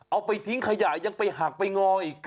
เอาไปทิ้งขยะยังไปหักไปงออีก